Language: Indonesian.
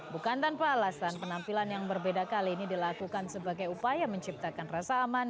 bukan tanpa alasan penampilan yang berbeda kali ini dilakukan sebagai upaya menciptakan rasa aman